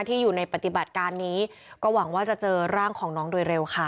ที่อยู่ในปฏิบัติการนี้ก็หวังว่าจะเจอร่างของน้องโดยเร็วค่ะ